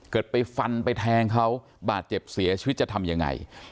ไปฟันไปแทงเขาบาดเจ็บเสียชีวิตจะทำยังไง